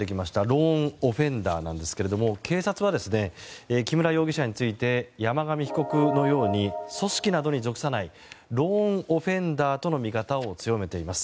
ローン・オフェンダーですが警察は木村容疑者について山上被告のように組織などに属さないローン・オフェンダーとの見方を強めています。